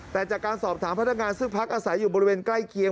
แต่จากการสอบถามพนักงานซึ่งพักอาศัยอยู่บริเวณใกล้เคียง